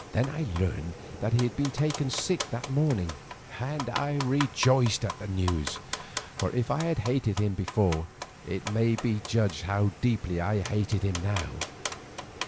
Then I learned that he had been taken sick that morning, and I rejoiced at the news, for if I had hated him before, it may be judged how deeply I hated him now.